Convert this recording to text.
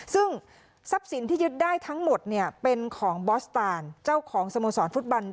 ซึ่งทรัพย์สินที่ยึดได้ทั้งหมดเนี่ยเป็นของบอสตานเจ้าของสโมสรฟุตบอล